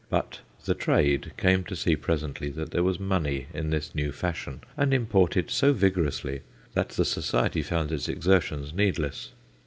But "the Trade" came to see presently that there was money in this new fashion, and imported so vigorously that the Society found its exertions needless.